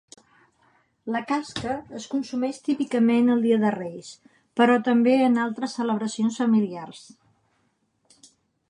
La casca es consumeix típicament el Dia de Reis, però també en altres celebracions familiars.